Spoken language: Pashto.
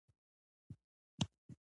زه پښتو زده کوم .